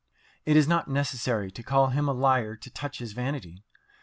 It is not necessary to call him a liar to touch his vanity.